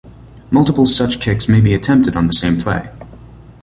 Multiple such kicks may be attempted on the same play.